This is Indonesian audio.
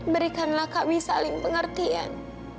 berikanlah kami saling pengertian